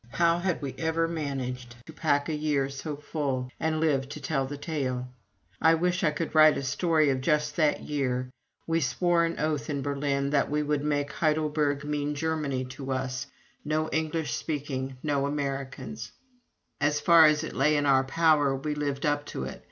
How had we ever managed to pack a year so full, and live to tell the tale? I wish I could write a story of just that year. We swore an oath in Berlin that we would make Heidelberg mean Germany to us no English speaking, no Americans. As far as it lay in our power, we lived up to it.